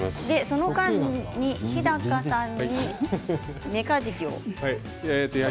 その間に日高さんにメカジキを。